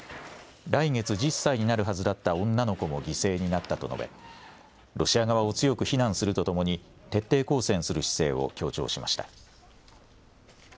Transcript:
来月１０歳になるはずだった女の子も犠牲になったと述べ、ロシア側を強く非難するとともに、徹底抗戦する姿勢を強調しました。